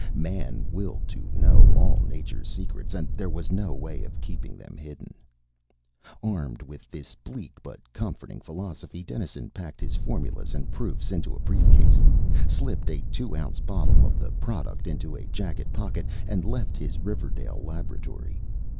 Man willed to know all nature's secrets, and there was no way of keeping them hidden. Armed with this bleak but comforting philosophy, Dennison packed his formulas and proofs into a briefcase, slipped a two ounce bottle of the product into a jacket pocket, and left his Riverdale laboratory.